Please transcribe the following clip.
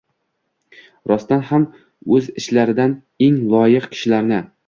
rostdan ham o‘z ichlaridan eng loyiq kishilarni